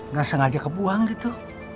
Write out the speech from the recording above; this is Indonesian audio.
ngasih aja kebuang gitu